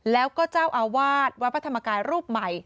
แล้วก็เจ้าอาวาสวัดพระธรรมกายรูปใหม่